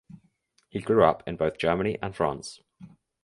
He grew up in both Germany and France.